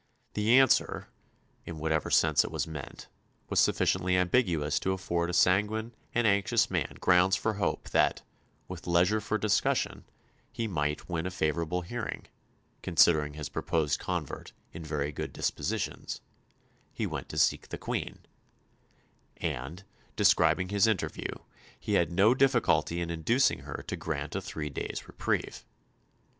The answer, in whatever sense it was meant, was sufficiently ambiguous to afford a sanguine and anxious man grounds for hope that, with leisure for discussion, he might win a favourable hearing; considering his proposed convert "in very good dispositions," he went to seek the Queen; and, describing his interview, had no difficulty in inducing her to grant a three days' reprieve.